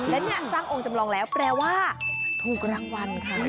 และเนี่ยสร้างองค์จำลองแล้วแปลว่าถูกรางวัลค่ะ